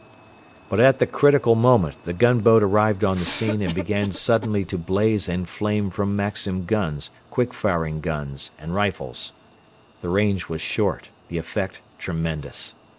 But at the critical moment the gunboat arrived on the scene and began suddenly to blaze and flame from Maxim guns, quick firing guns, and rifles. The range was short; the effect tremendous.